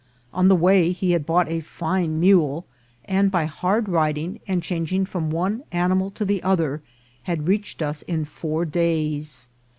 On the way he had bought a fine mule, and by hard riding, and chan ging from one animal to the other, had reached us in four days.